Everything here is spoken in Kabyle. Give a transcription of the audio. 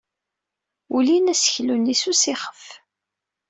Ulin aseklu-nni s usixef.